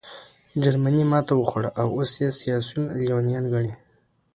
جرمني ماتې وخوړه او اوس یې سیاسیون لېونیان ګڼې